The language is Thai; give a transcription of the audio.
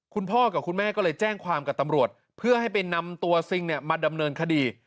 คุณพ่อกับคุณแม่ก็เลยแจ้งความกับตำรวจเพื่อให้ไปนำตัวซิงมาดำเนินคดี